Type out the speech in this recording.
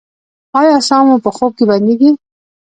ایا ساه مو په خوب کې بندیږي؟